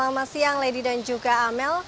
selamat siang lady dan juga amel